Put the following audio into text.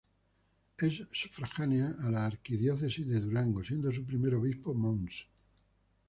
Es sufragánea a la Arquidiócesis de Durango siendo su primer obispo Mons.